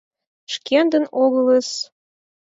Шкендын огылыс.